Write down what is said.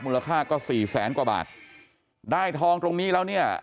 มูลค่าก็สี่แสนกว่าบาทได้ทองตรงนี้แล้วเนี่ย